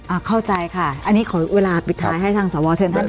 เข้าใจค่ะอันนี้ขอเวลาปิดท้ายให้ทางสวเชิญท่าน